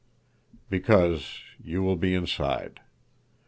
"Because you will be inside.